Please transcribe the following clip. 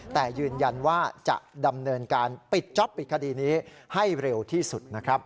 แต่ยืนยันว่าจะดำเนินการปิดจ๊อปปิดคดีนี้ให้เร็วที่สุดนะครับ